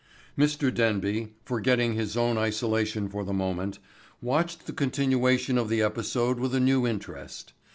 Mr. Denby, forgetting his own isolation for the moment, watched the continuation of the episode with a new interest.